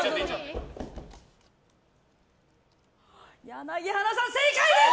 柳原さん、正解です！